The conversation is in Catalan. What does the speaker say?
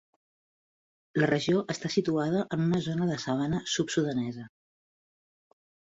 La regió està situada en una zona de sabana sud-sudanesa.